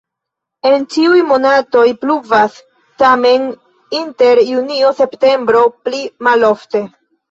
En ĉiuj monatoj pluvas, tamen inter junio-septembro pli malofte.